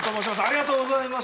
ありがとうございます。